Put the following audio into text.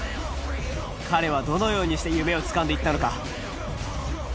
彼はどのようにして夢をつかんでいったのか。